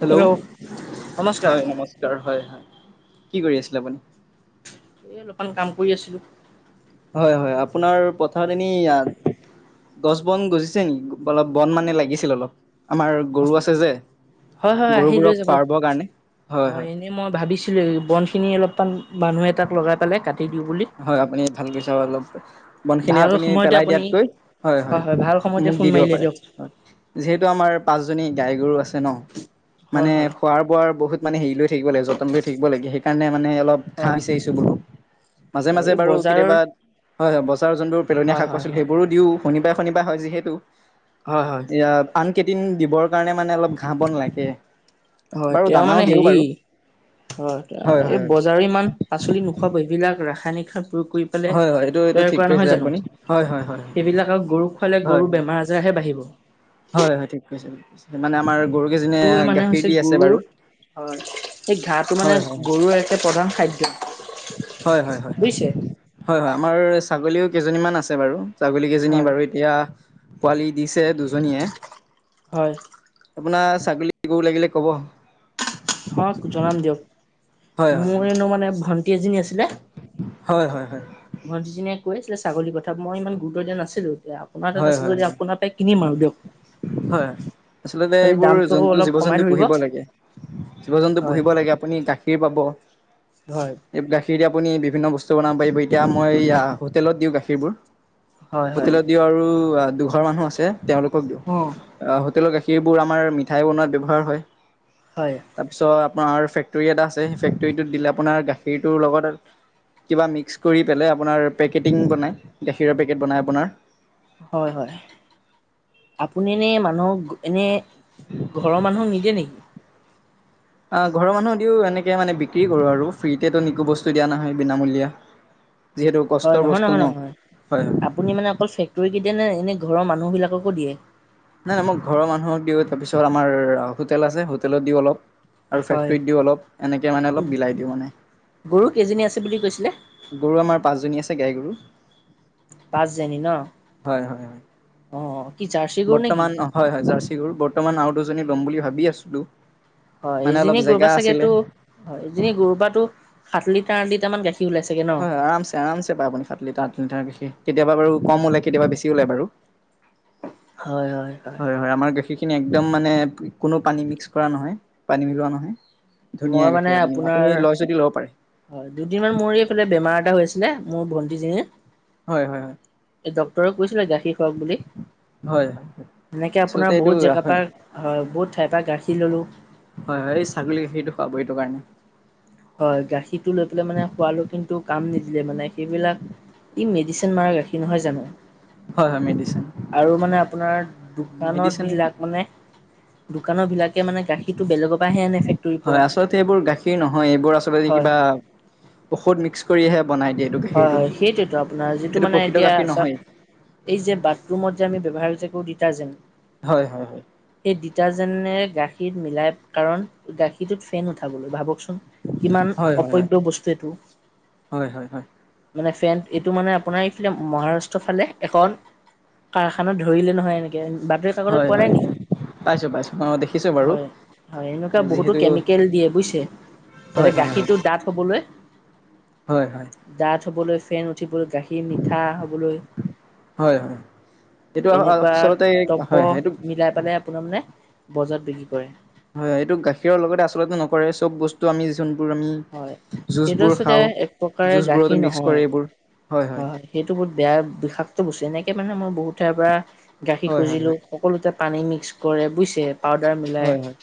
Hello hello নমস্কাৰ। হয় নমস্কাৰ হয় হয়। কি কৰি আছিলে আপুনি? এই অলপমান কাম কৰি আছিলোঁ। হয় হয় আপোনাৰ পথাৰত এনেই গছ বন গজিছে নেকি অলপ বন মানে লাগিছিলে অলপ? আমাৰ গৰু আছে যে হয় হয় গৰু বোৰক খোৱাৰ কাৰণে হয় হয়। এ মই ভাবিছিলোঁৱেই বনখিনি অলপমান মানুহ এটাক লগাই পেলাই কাটি দিওঁ বুলি। হয় আপুনি ভাল কৈছা অলপ। বনখিনি ভাল আপুনি সময়তে পেলাই আপুনি দিয়াতকৈ হয় হয় ভাল সময়তে মোক ফোন দি দিব মাৰিলে পাৰে দিয়ক হয়। যিহেতু আমাৰ পাঁচ জনী গাই গৰু আছে ন হয় মানে হয় খোৱাৰ বোৱাৰ বহুত মানে হেৰি লয় থাকিব লাগে যতন লৈ থাকিব লাগে সেইকাৰণে মানে অলপ হয় ঘাঁহ হয় বিচাৰিছোঁ বোলোঁ। মাজে হয় মাজে এই বাৰু বজাৰৰ কেতিয়াবা হয় হয় বজাৰৰ যোনবোৰ পেলনীয়া হয় শাক হয় পাচলি হয় সেইবোৰো দিও, শনিবাৰে শনিবাৰ হয় যিহেতু। হয় হয়। এয়া আন কেইদিন দিবৰ কাৰণে মানে অলপ ঘাঁহ বন লাগে। হয় বাৰু তেওঁ দানাও মানে দিওঁ হেৰি বাৰু হয় এই হয় হয় জাৰিমান পাচলি নোখোৱা [inaudible] ৰাসায়নিক সাৰ প্ৰয়োগ কৰি পেলাই হয় হয় এইটো এইটো ঠিক তেনেকুৱা কৈছে নহয় জানো আপুনি হয় হয় হয় সেইবিলাক আৰু গৰুক খুৱালে হয় হয় গৰু বেমাৰ আজাৰহে বাঢ়িব। হয় হয় ঠিক কৈছে ঠিক কৈছে মানে আমাৰ গৰুকেইজনীয়ে গৰু মানে গাখীৰ হৈছে দি আছে বাৰু গৰুৰ হয় সেই ঘাঁহটো মানে হয় হয় গৰুৰ একে প্ৰধান খাদ্য। হয় হয় হয় হয় বুজিছে হয় হয় আমাৰ ছাগলীও কেইজনীমান আছে বাৰু। ছাগলীকেইজনী হয় বাৰু এতিয়া পোৱালি দিছে দুজনীয়ে। হয় আপোনাৰ ছাগলী গৰু লাগিলে ক'ব। হওঁক জনাম দিয়ক, হয় হয় মোৰ এনেও মানে ভণ্টি এজনী আছিলে। হয় হয় হয়। ভণ্টিজনীয়ে কৈছিলে ছাগলীৰ কথা মই ইমান গুৰুত্ব দিয়া নাছিলো এতিয়াও। হয় হয়, হয়, হয়। আচলতে খালি এইবোৰ দামটো জন্তু, অলপ জীৱ কমাই জন্তু ধৰিব পুহিব লাগে। জীৱ জন্তু হয় পুহিব লাগে আপুনি গাখীৰ পাব। হয় এই গাখীৰ দি আপুনি বিভিন্ন বস্তু বনাব পাৰিব। এতিয়া মই হোটেলত দিওঁ গাখীৰবোৰ। হয় হয় হোটেলত দিওঁ আৰু দুঘৰ মানুহ আছে তেওঁলোকক দিওঁ। অহ। আ হোটেলৰ গাখীৰবোৰ আমাৰ মিঠাই বনোৱাত ব্যৱহাৰ হয়। হয়। তাৰপিছত আপোনাৰ ফেক্টৰী এটা আছে, সেই ফেক্টৰীটোত দিলে আপোনাৰ গাখীৰটোৰ লগত কিবা মিক্স কৰি পেলাই আপোনাৰ পেকেটিং বনায়, গাখীৰৰ পেকেট বনায় আপোনাৰ। হয় হয় আপুনি এনে মানুহক এনে ঘৰৰ মানুহক নিদিয়ে নেকি? ঘৰৰ মানুহক দিও। এনেকে মানে বিক্ৰী কৰোঁ আৰু ফ্ৰীতে টো একো বস্তু দিয়া নহয় বিনামূলীয়া। যিহেতু হয় কষ্টৰ নহয় নহয় বষ্ট ন, নহয় হয় হয়। আপুনি মানে অকল ফেকটৰীত দিয়েনে, এনে ঘৰৰ মানুহ বিলাককো দিয়ে? নাই নাই মই ঘৰৰ মানুহক দিওঁ তাৰপিছত আমাৰ হোটেল আছে হোটেলত দিওঁ অলপ। আৰু হয় ফেক্টৰীত দিওঁ অলপ এনেকৈ মানে অলপ বিলাই দিওঁ মানে। গৰু কেইজনী আছে বুলি কৈছিলে? গৰু আমাৰ পাঁচজনী আছে গাই গৰু। পাঁচজনী ন, হয় হয় হয়, অহ কি জাৰ্ছী গৰু নেকি? বৰ্তমান হয় হয় জাৰ্চি গৰু বৰ্তমান আৰু দুজনী ল'ম বুলি ভাবি আছিলো। হয় এজনী গৰুবা চাগে টো হয় এজনী গৰুবাটো সাত লিটাৰ আঠ লিটাৰ মান গাখীৰ ওলাই চাগে? ন হয় হয় আৰামচে আৰামচে পাই আপুনি সাত লিটাৰ, আঠ লিটাৰ গাখীৰ। কেতিয়াবা বাৰু কম ওলাই কেতিয়াবা বেছি ওলাই বাৰু। হয় হয়। হয় হয় আমাৰ গাখীৰখিনি একদম মানে কোনো পানী মিক্স কৰা নহয় পানী মিলোৱা নহয়। ধুনীয়া মই মানে গাখীৰ আপুনি আপোনাৰ আপুনি লয় যদি ল'ব পাৰে। হয় দুদিনমান মোৰ এইফালে বেমাৰ এটা হৈ আছিলে মোৰ ভন্টিজনীৰ। হয় হয় হয়। এ ডক্টৰে কৈছিলে গাখীৰ খুৱাক বুলি। হয়। সেনেকৈ আচলতে আপোনাৰ এইটো বহুত হয় জেগাৰ পা হয় বহুত ঠাইপ পৰা গাখীৰ ল'লোঁ। হয়, হয় এই ছাগলী গাখীৰটো খুৱাব, এইটো কাৰণে। হয়, গাখীৰটো লৈ পেলাই মানে খোৱালো, কিন্তু কাম নিদিলে মানে, সেইবিলাক ই মেডিচিন মাৰা, গাখীৰ নহয় জানো। হয় হয় মেডিচিন আৰু মানে আপোনাৰ, দোকানত মেডিচিন বিলাক মানে দোকানৰ বিলাকে মানে গাখীৰটো, বেলেগৰ পৰাহে আনে, ফেক্টৰীৰ পৰা। [unintelligible] এইবোৰ গাখীৰ নহয়, এইবোৰ আচলতে হয় কিবা হয় ঔষধ মিক্স কৰিহে বনাই দিয়ে এইটো হয়, গাখীৰটো হয়। সেইটোতো আপোনাৰ, যিটো এইটো মানে প্ৰকৃত এতিয়া গাখীৰ চ নহয় এই যে, বাথৰুমত যে আমি ব্যৱহাৰ যে কৰোঁ ডিটাৰজেণ্ট। হয়, হয়, হয়। সেই ডিটাৰজেনে গাখীৰ মিলাই কাৰণ, গাখীৰটোত ফেন উঠাবলৈ, ভাবকচোন। কিমান, হয় হয় অপব্য বস্তু এইটো। হয়, হয়, হয়। মানে ফেন, এইটো মানে আপোনাৰ এইফালে, মহাৰাষ্ট্ৰৰ ফালে, এখন কাৰখানাত ধৰিলে নহয় এনেকে, বাতৰি কাকতত, হয় হয় পোৱা হয় নাই নেকি? পাইছো পাইছো অ দেখিছো বাৰু হয়, হয়, এনেকুৱা বহুতো যিহেতু কেমিকেল দিয়ে, বুজিছে। যাতে হয় হয় হয় গাখীৰটো ডাঠ হবলৈ হয়, হয়। ডাঠ হ'বলৈ, ফেন উঠিবলৈ, গাখীৰ মিঠা হ'বলৈ হয় হয় এইটো এনেকুৱা [unintelligible] আচলতে হয় হয় এইটো [unintelligible] বজাৰত বিক্ৰী কৰে। হয়, এইটো গাখীৰৰ লগতে আচলতে নকৰে চব বস্তু আমি [unintelligible] আমি হয়। সেইটো জুচবোৰ আচলতে খাওঁ, এক প্ৰকাৰে জুচবোৰতো মিক্স কৰে এইবোৰ, হয়, হয়। এইটো বহুত বেয়া বিষাক্ত বস্তু, এনেকে মানে মই বহুত ঠাইৰ পৰা, গাখীৰ হয় হয় খুজিলোঁ। সকলোতে পানী মিক্স কৰে বুজিছে, পাউদাৰ মিলাই। হয় হয়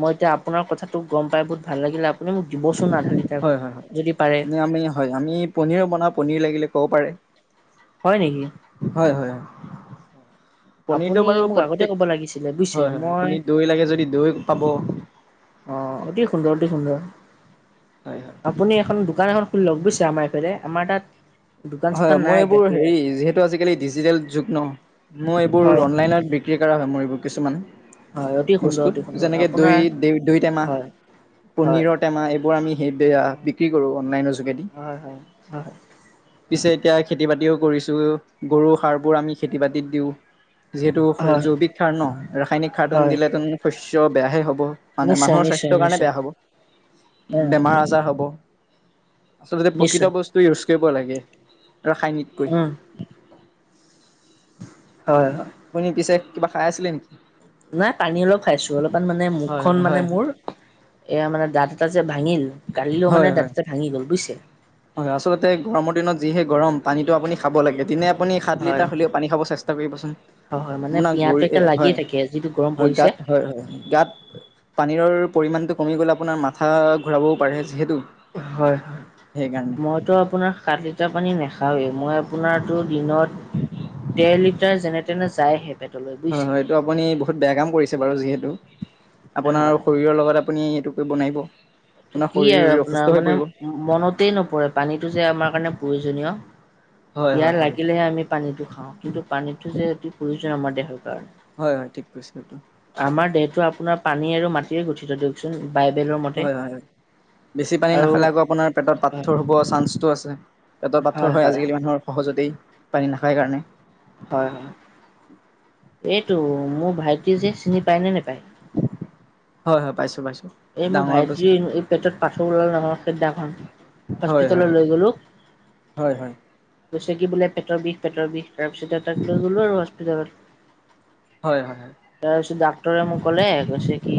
মই এতিয়া আপোনাৰ কথাটো গম পাই বহুত ভাল লাগিলে, আপুনি মোক দিবচোন আধালি হয়, হয়। আমি হয়, আমি পনিৰো বনাওঁ, পনিৰ লাগিলে ক'ব পাৰে। হয় নেকি? হয়, হয়। পনীৰটো আপুনি বাৰু মোক আগতে প্ৰত্যেক, ক'ব লাগিছিলে বুজিছে হয়, হয়, মই আপুনি দৈ লাগে যদি দৈ পাব। অ', অতি সুন্দৰ অতি সুন্দৰ। [unintelligible] আপুনি এখন দোকান এখন খুলি লওঁক বুজিছে, আমাৰ এইফালে, আমাৰ তাত দোকান হয়, চোকান মই নাই এইবোৰ গাখীৰৰ হেৰি যিহেত আজিকালি ডিজিটেল যুগ নহ, মই এইবোৰ হয় অনলাইনত বিক্ৰী কৰা হয়, মোৰ এইবোৰ কিছুমান। হয় অতি সুন্দৰ বস্তুত, অতি সুন্দৰ যেনেকে আপোনাৰ দৈ দ দৈ টেমা। হয় হয় পনিৰৰ টেমা এইবোৰ আমি বিক্ৰী কৰো অনলাইনৰ যোগেদি। হয়, হয়। হয় পিছে এতিয়া খেতি বাতিও কৰিছো, গৰুৰ সাৰ বোৰ আমি খেতি বাতিত দিও। যিহেতু হয় জৈৱিক সাৰ ন, ৰাসায়নিক সাৰকন হয় দিলে শস্য বেয়াহে হ'ব। মানে নিশ্চয় মানুহৰ নিশ্চয় স্বাস্থ্যৰ কাৰণে নিশ্চয় বেয়া হব, উম বেমাৰ আজাৰ হ'ব, আচলতে নিশ্চয় প্ৰকৃত বস্তু ইউজ কৰিব লাগে, ৰাসায়নিক [unintelligible] [unintelligible] আপুনি পিছে, কিবা খাই আছিলে নেকি? নাই, পানী অলপ খাইছো, অলপমান মানে হয় মুখখন হয় মানে হয় মোৰ এয়া মানে দাতঁ এটা যে ভাঙিল কালিও মানে হয় দাতঁ হয়। এটা ভাঙি গ'ল বুজিছে। হয়, আচলতে গৰমৰ দিনত যিহে গৰম পানীটো আপুনি খাব লাগে দিনে আপুনি সাত হয় লিটাৰ হ'লেও পানী খাব চেষ্টা কৰিব চোন, হয় হয় মানে আপোনাৰ পিয়াহটো এতিয়া [unintelligible] লাগিয়ে হয়। থাকে যিটো গৰম হয়, পৰিছে গাত হয় হয় গাত পানীৰৰ পৰিমাণটো কমি গ'লে আপোনাৰ মাথা ঘূৰাবও পাৰে। যিহেতু হয়। সেইকাৰণে। মইতো আপোনাৰ সাত লিটাৰ পানী নাখাওঁয়ে মই আপোনাৰতো দিনত দেৰ লিটাৰ যেনে তেনে যায়হে পেটত হয়, হয়, এইটো আপুনি বহুত বেয়া কাম কৰিছে বাৰু যিহেতু। আপোনাৰ হয়, শৰীৰৰ লগত আপুনি সেইটো কৰিব নোৱাৰিব আপোনাৰ কি আৰু শৰীৰৰ আপোনাৰ অসুস্থ হৈ মানে পৰিব। মনতেই নপৰে পানীটো যে আমাৰ কাৰণে প্ৰয়োজনীয়, হয় হয় পিয়াহ হয় লাগিলেহে আমি পানীটো খাওঁ, কিন্তু পানীটো যে অতি প্ৰয়োজন আমাৰ দেহৰ কাৰণে। হয়, হয়, ঠিক কৈছে এইটো। আমাৰ দেহটো আপোনাৰ পানী আৰু মাটিৰে গঠিত দিয়কচোন বাইবেলৰ মতে। হয় হয় হয় বেছি পানী আৰু নাখালে আকৌ আপোনাৰ পেটত হয় পাথৰ হ'ব চাঞ্চটো আছে। পেটত পাথৰ হয় আজিকালি মানুহৰ সহজতেই, পানী নাখায় কাৰণে। হয়, হয়। এইটো মোৰ ভাইটি যে চিনি পায় নে নেপায়? হয়, হয়, পাইছো পাইছো। এই মোৰ ভাইটিৰ এই পেটত পাথৰ ওলাল নহয় সেইদিনাখন হয় হয় হস্পিতাললৈ লৈ গ'লো। হয়, হয়। কৈছে কি বোলে পেটৰ বিষ পেটৰ বিষ তাৰপিছতে তাক লৈ গ'লো হস্পিতালত। হয়, হয়। তাৰপিছত ডাক্তৰে মোক ক'লে কৈছে কি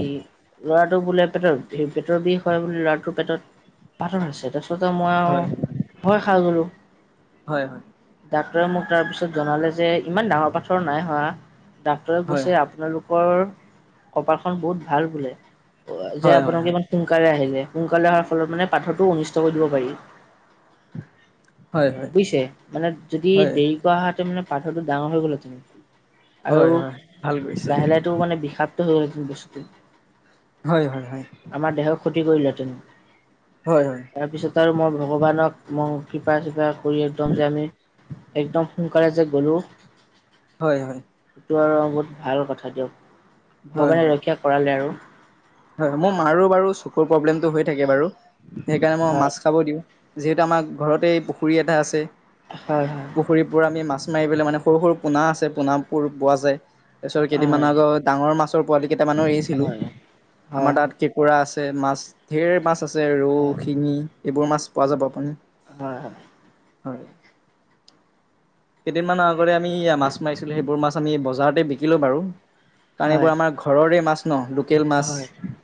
ল'ৰা বোলে পেটত পেটৰ বিষ হয় বোলে ল'ৰাটোৰ পেটত পাথৰ আছে। তাৰপাছত তাৰপিছত মই আৰু হয় হয় ভয় খাই গ'লোঁ। হয় হয় ডাক্তৰে মোক তাৰ পিছত জনালে যে ইমান ডাঙৰ পাথৰ নাই হোৱা। ডাক্তৰে হয় কৈছে হয় আপোনালোকৰ কপালখন বহুত ভাল বোলে। যে হয় হয় আপোনালোকে ইমান সোনকালে আহিলে সোনকালে অহাৰ ফলত মানে পাথৰটো অনিষ্ট কৰি দিব পাৰি। হয় হয় বুজিছে মানে যদি হয় দেৰি কৰা হেতেন মানে পাথৰটো ডাঙৰ হৈ গ'ল তেনে হয় আৰু হয় হয় ভাল কৰিছে লাহে লাহে টো মানে বিষাক্ত হৈ গ'ল হেতেন বস্তুটো। হয়, হয়, হয়। আমাৰ দেহৰ ক্ষতি কৰিলেহেঁতেন। হয়, হয়। তাৰপিছত আৰু মই ভগৱানক মই কৃপা চৃপা কৰি একদম যে আমি একদম সোনকালে যে গ'লো। হয়, হয়। সেইটো আৰু বহুত ভাল কথা দিয়ক হয় হয় ভগৱানে ৰক্ষা কৰালে আৰু। হয়, মোৰ মাৰো বাৰু চকুৰ প্ৰব্লেমটো হৈ থাকে বাৰু সেইকাৰণে মই মাছ হয় খাব দিওঁ। যিহেতু আমাৰ ঘৰতেই পুখুৰী এটা আছে। হয়, হয়। পুখুৰীবোৰ আমি মাছ মাৰি পেলাই মানে সৰু সৰু পোনা আছে পোনাবোৰ পোৱা যায়। তাৰ পিছত কেইদিনমান হয় আগত ডাঙৰ মাছৰ পোৱালি কেইটামানো এৰিছিলো হয় হয় হয় আমাৰ তাত কেঁকোৰা আছে মাছ। ঢেৰ মাছ আছে ৰৌ, হয় শিঙি এইবোৰ মাছ পোৱা যাব আপুনি। হয় হয়। হয়। কেইদিনমানৰ আগতে আমি মাছ মাৰিছিলোঁ সেইবোৰ মাছ আমি বজাৰতে বিকিলোঁ বাৰু, কাৰণ এইবোৰ হয় আমাৰ- ঘৰৰে মাছ ন, লোকেল মাছ।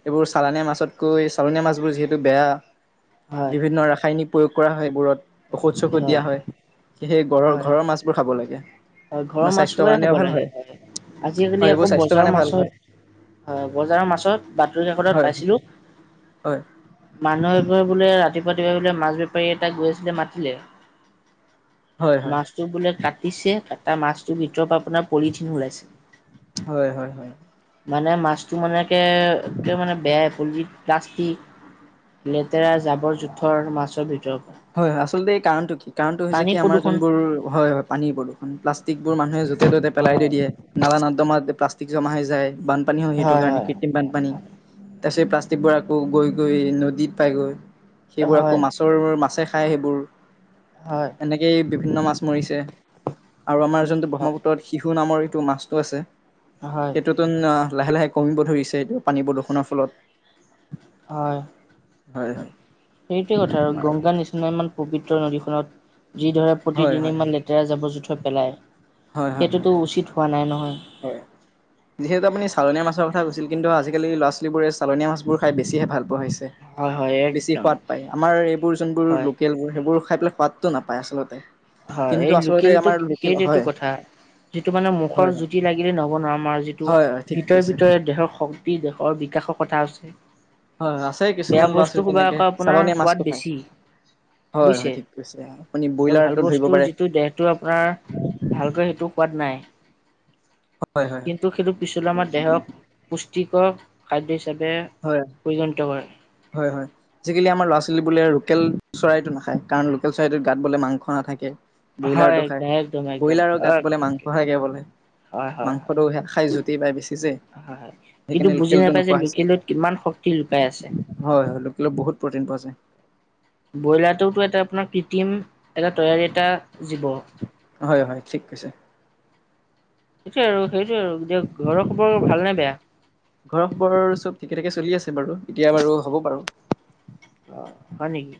এইবোৰ- চালানীয়া মাছতকৈ চালনীয়া মাছবোৰ যিহেতু বেয়া। হয় বিভিন্ন ৰাসায়নিক- প্ৰয়োগ কৰা হয় এইবোৰত ঔষধ চৌষধ দিয়া হয়, সেয়ে ঘৰ হয় ঘৰৰ মাছবোৰ খাব লাগে। হয় ঘৰৰ না স্বাস্থ্যৰ মাছবোৰে খাব কাৰণেও ভাল লাগে হয়, আজি এজনী হয় এইবোৰ আকৌ স্বাস্থ্যৰ বজাৰৰ কাৰণে ভাল হয় মাছত- হয়, বজাৰৰ মাছত বাতৰি কাকতত হয় পাইছিলোঁ- হয় মানুহে এঘৰত বোলে ৰাতিপুৱা ৰাতিপুৱা বোলে মাছ বেপাৰী এটা গৈছিলে মাতিলে। হয় মাছটো বোলে কাটিছে কাটা মাছটোৰ ভিতৰৰ পৰা আপোনাৰ পলিথিন ওলাইছে। হয় হয় হয়। মানে মাছটো মানে কে একে মানে বেয়াই পলি প্লাষ্টিক- লেতেৰা জাবৰ জোথৰ মাছৰ ভিতৰত- হয় হয়, আচলতে এই কাৰণটো কি কাৰণটো হৈছে কি আমাৰ প্ৰদূষণ যোনবোৰ হয় হয় পানীৰ প্ৰদূষণ প্লাচ- ষ্টিক বোৰ মানুহে য'তে ততে পেলাই দি হয় দিয়ে নালা নাৰ্দমাত প্লাষ্টিক জমা হৈ যায় বানপানী হয়, সেইটো কাৰণে। এ বানপানী তাৰ পিছত প্লাষ্টিকবোৰ আকৌ গৈ গৈ নদীত পাই গৈ, সেইবোৰ আকৌ হয় মাছ- তৰ মাছে খায় সেইবোৰ। হয় এনেকেই বিভিন্ন মাছ মৰিছে, আৰু আমাৰ যোনটো হয় ব্ৰহ্মপুত্ৰত- শিশু নামৰ এইটো মাছটো আছে। হয়। নতুন অঁ লাহে লাহে কমিব ধৰিছে এইটো পানী প্ৰদূষণৰ ফলত। হয়, হয় হয় এইটোৱে কথা হয় গংগা নিচি- ইমান মান পবিত্ৰ নদীখনত যিদৰে হয় হয় প্ৰতিদিনে ইমান হয় লেতেৰা জাৱৰ জোথৰ পেলায়- হয় হয় সেইটোতো উচিত হোৱা নাই নহয়। হয়। যিহেতু আপুনি চালনীয়া মাছৰ কথা কৈছিল, কিন্তু আজিকালি ল'ৰা ছোৱালীবোৰে চালনীয়া মাছবোৰ খাই বেছিহে ভাল পোৱা হৈছে। হয় হয় বেছি একদম সোৱাদ পাই। আমাৰ এইবোৰ যোনবোৰ হয় লোক- কেলবোৰ সেইবোৰ খাই পেলাই সোৱাদটো নাপায় আচলতে। হয়, কিন্তু এই আচলতে আমাৰ লোকেলটোক লোকেল সেইটোৱে টো হয় কথা, - যিটো মানে মুখৰ হয় জুতি লাগিলে নহ'ব নহয়, আমাৰ যিটো হয় হয় ঠিক ভিতৰে কৈছে। ভিতৰে- দেহৰ শক্তি, দেহৰ বিকাশৰ কথা আছে। হয়, আছে বেয়া কিছুমান ল'ৰা বস্তু ছোৱালী সোপা তেনেকে আকৌ আপোনাৰ চালনীয়া সোৱাদ মাছটো খায়। বেছি হয় হয় বুজিছে। ঠিক কৈছে, আপুনি ব্ৰইলাৰটো ধৰিব পাৰে। টো দেহটো আপোনাৰ ভালকৈ সেইটো সোৱাদ নাই। হয় হয় কিন্তু সেইটো পিছলৈ আমাৰ দেহক পুষ্টিকৰ খাদ্য হিচাপে- হয়, পৰিগণিত কৰে। হয় হয়। আজিকালি আমাৰ ল'ৰা ছোৱালী বোলে লোকেল চৰাইটো নাখায়, কাৰণ লোকেল চৰাইটোৰ গাত বোলে মাংস নাথাকে। হয় ব্ৰইলাৰটো খাই, একদম একদম একদম ব্ৰইলাৰৰ গাত বোলে অকে অকে মাংস থাকে বোলে। হয় হয় হয় মাংসটো খায় জুতি পাই বেছি যে, হয়। হয়। কিন্তু সেইকাৰণে বুজি লোকলটো নাপায় যে নোখোৱা হৈছে। লোকেলত কিমান শক্তি লুকাই আছে? হয় হয়, লোকেলত বহুত প্ৰটিন পোৱা যায়। ব্ৰইলাৰটোওতো এটা আপোনাৰ কৃত্ৰিম এটা তৈয়াৰী এটা জীৱ। হয় হয়, ঠিক কৈছে। সেয়ে আৰু সেইটোয়ে আৰু দিয়ক। ঘৰৰ খবৰ ভাল নে বেয়া? ঘৰৰ খবৰ চব ঠিকে ঠাকে চলি আছে বাৰু এতিয়া বাৰু হ'ব বাৰু অ হয় নেকি